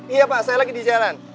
iya pak saya lagi di jalan